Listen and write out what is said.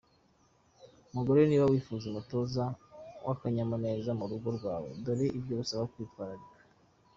Mugore niba wifuza umutuzo n’akanyamuneza mu rugo rwawe dore ibyo usabwa kwitwararika.